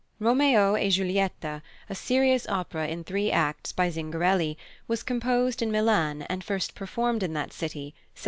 Romeo e Giulietta, a serious opera in three acts, by +Zingarelli+, was composed in Milan and first performed in that city (1796).